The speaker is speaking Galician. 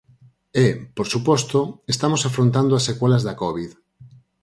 E, por suposto, estamos afrontando as secuelas da covid.